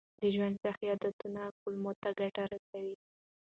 د ژوند صحي عادتونه کولمو ته ګټه رسوي.